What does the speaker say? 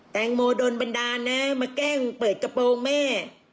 แตงโมโดนบันดาลนะมาแกล้งเปิดกระโปรงแม่